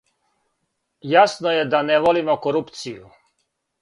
Јасно је да не волимо корупцију.